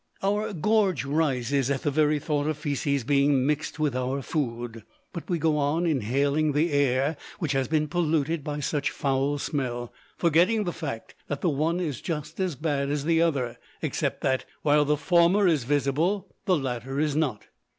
Our gorge rises at the very thought of fæces being mixed with our food, but we go on inhaling the air which has been polluted by such foul smell, forgetting the fact that the one is just as bad as the other, except that, while the former is visible, the latter is not.